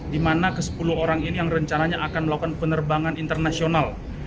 di mana ke sepuluh orang ini yang rencananya akan melakukan penerbangan internasional